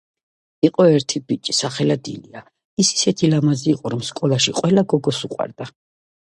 იყო ერთი ბიჭი სახელად ილია ის ისეთი ლამაზი იყო რომ სკოლაში ყველა გოგოს უყვარდა